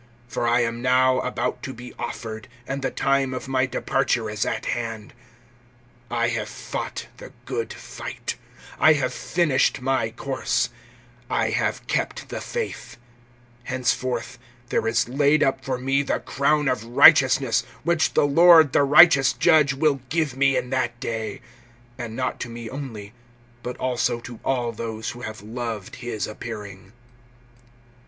(6)For I am now about to be offered, and the time of my departure is at hand. (7)I have fought the good fight, I have finished my course, I have kept the faith; (8)henceforth there is laid up for me the crown of righteousness, which the Lord, the righteous judge, will give me in that day; and not to me only, but also to all those who have loved his appearing.